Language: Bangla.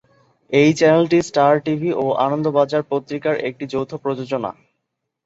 এই চ্যানেলটি স্টার টিভি ও আনন্দবাজার পত্রিকার একটি যৌথ প্রযোজনা।